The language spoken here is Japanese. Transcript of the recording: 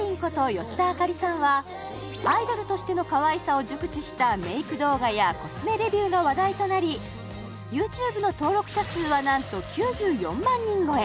吉田朱里さんはアイドルとしてのかわいさを熟知したメイク動画やコスメレビューが話題となりＹｏｕＴｕｂｅの登録者数はなんと９４万人超え！